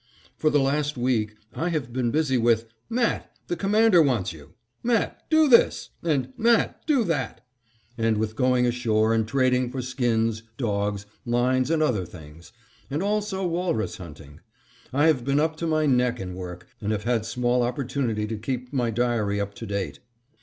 For the last week I have been busy, with "Matt! The Commander wants you," "Matt do this," and "Matt do that," and with going ashore and trading for skins, dogs, lines, and other things; and also walrus hunting. I have been up to my neck in work, and have had small opportunity to keep my diary up to date.